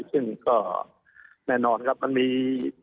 ซึ่งก็แน่นอนครับมันมี